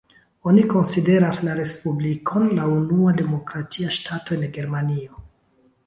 Oni konsideras la respublikon la unua demokratia ŝtato en Germanio.